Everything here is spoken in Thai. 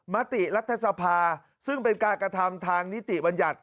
มติรัฐสภาซึ่งเป็นการกระทำทางนิติบัญญัติ